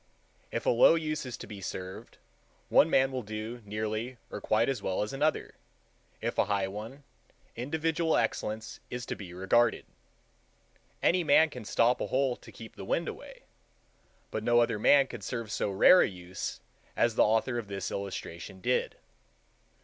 If a low use is to be served, one man will do nearly or quite as well as another; if a high one, individual excellence is to be regarded. Any man can stop a hole to keep the wind away, but no other man could serve so rare a use as the author of this illustration did.